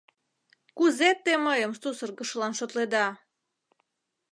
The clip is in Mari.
Кузе те мыйым сусыргышылан шотледа?